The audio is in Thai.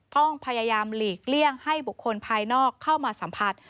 ต้องพยายามหลีกเลี่ยงให้บุคคลภายนอกเข้ามาสัมผัส